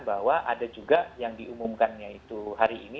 bahwa ada juga yang diumumkannya itu hari ini